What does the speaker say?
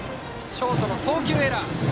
ショートの送球エラー。